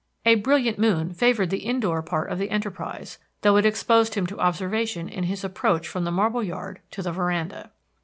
A brilliant moon favored the in door part of the enterprise, though it exposed him to observation in his approach from the marble yard to the veranda.